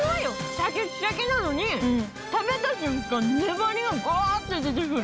シャキッシャキなのに食べた瞬間粘りがガって出てくる。